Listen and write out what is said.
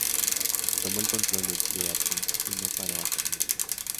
Tomó el control del teatro y no paró hasta su muerte.